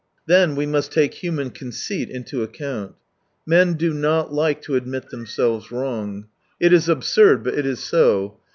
Then we must take human conceit into account. Men do not like to admit them selves wrong. It is absurd, but it is so.